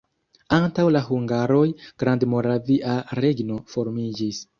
Antaŭ la hungaroj Grandmoravia regno formiĝis.